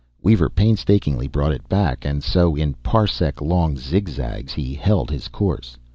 Weaver painstakingly brought it back; and so, in parsec long zigzags, he held his course.